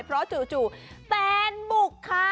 เพราะจู่แฟนบุกค่ะ